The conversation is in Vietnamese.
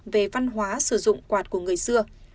về văn hóa sử dụng quạt của người xưa